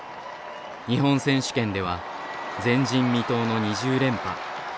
日本選手権では前人未到の２０連覇。